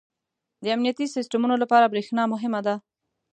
• د امنیتي سیسټمونو لپاره برېښنا مهمه ده.